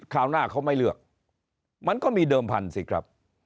คราวหน้าเขาไม่เลือกมันก็มีเดิมพันธุ์สิครับ